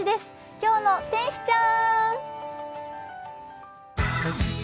今日の天使ちゃん。